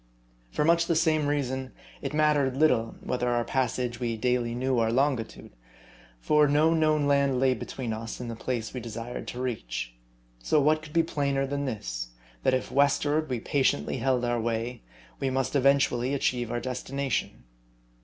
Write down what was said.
For much the same reason, it mattered little, whether on our passage we daily knew our longitude ; for no known land lay between us and the place we desired to reach. So what could be plainer than this : that if westward we patiently held on our way, we must eventually achieve our destination